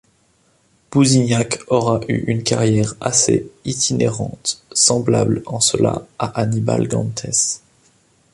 Bouzignac aura eu une carrière assez itinérante, semblable en cela à Annibal Gantez.